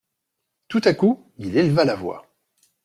Tout à coup il éleva la voix.